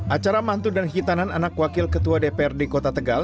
acara mantu dan hitanan anak wakil ketua dprd kota tegal